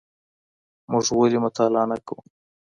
موږ ولې مطالعه نه کوو؟